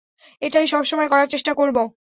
এটাই সবসময় করার চেষ্টা করবো।